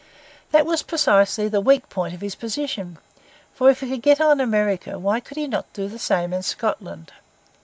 That was precisely the weak point of his position; for if he could get on in America, why could he not do the same in Scotland?